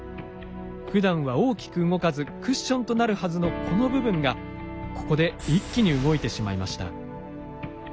ふだんは大きく動かずクッションとなるはずのこの部分がここで一気に動いてしまいました。